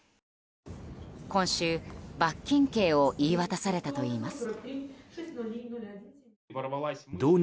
今週、罰金刑を言い渡されたといいます。